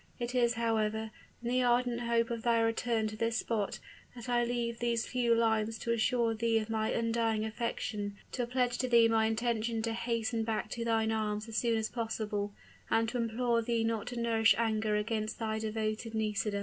It is, however, in the ardent hope of thy return to this spot, that I leave these few lines to assure thee of my undying affection, to pledge to thee my intention to hasten back to thine arms as soon as possible, and to implore thee not to nourish anger against thy devoted NISIDA."